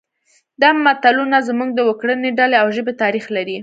دا متلونه زموږ د وګړنۍ ډلې او ژبې تاریخ لري